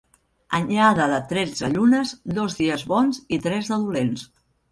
Anyada de tretze llunes, dos dies bons i tres de dolents.